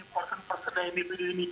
mas saat kami itu sudah dibeginikan